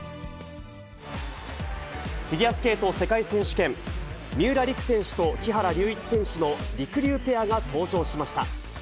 フィギュアスケート世界選手権、三浦璃来選手と木原龍一選手のりくりゅうペアが登場しました。